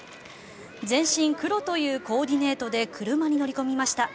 全身黒というコーディネートで車に乗り込みました。